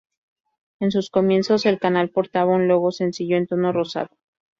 En sus comienzos el canal portaba un logo sencillo en tono rosado.